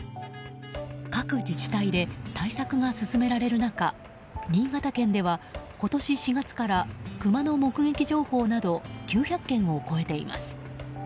各自治体で対策が進められる中新潟県では今年４月からクマの目撃情報など９００件を超えています。